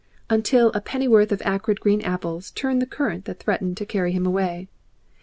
Until a pennyworth of acrid green apples turned the current that threatened to carry him away.